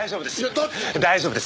大丈夫です。